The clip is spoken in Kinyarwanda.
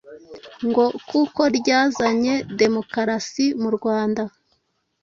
ngo kuko ryazanye demokarasi mu Rwanda.